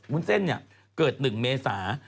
วุ้นเส้นเนี่ยเกิด๑เมษา